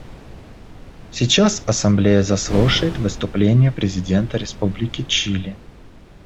Сейчас Ассамблея заслушает выступление президента Республики Чили.